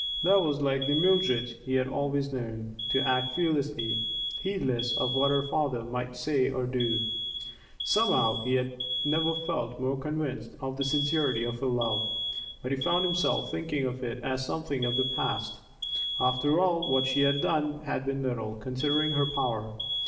That was like the Mildred he had always known to act fearlessly, heedless of what her father might do or say. Somehow he had never felt more convinced of the sincerity of her love, but he found himself thinking of it as of something of the past. After all, what she had done had been little, considering her power.